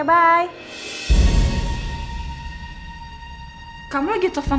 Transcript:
kamu lagi telfon telfon apa lagi bersih bersih sih